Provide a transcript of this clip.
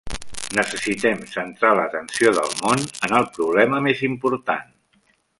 Necessitem centrar l'atenció del món en el problema més important.